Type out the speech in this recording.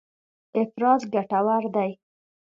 افراز ګټور دی.